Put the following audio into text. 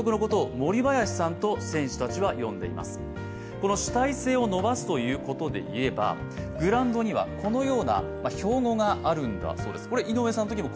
この主体性を伸ばすということでいえば、グラウンドにはこのような標語があるんだそうです。